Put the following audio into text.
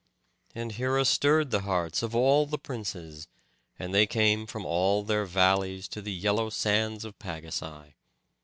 And Hera stirred the hearts of all the princes, and they came from all their valleys to the yellow sands of Pagasai.